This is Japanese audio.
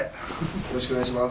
よろしくお願いします。